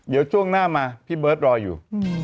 เดี๋ยวช่วงหน้ามาพี่เบิร์ตรออยู่